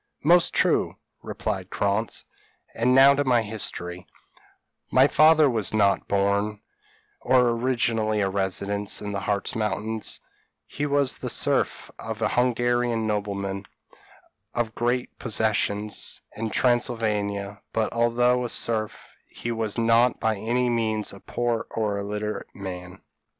p> "Most true," replied Krantz, "and now to my history: "My father was not born, or originally a resident, in the Hartz Mountains; he was the serf of an Hungarian nobleman, of great possessions, in Transylvania; but, although a serf, he was not by any means a poor or illiterate man.